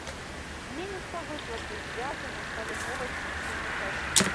Зменяцца выплаты, звязаныя з галіновай спецыфікай.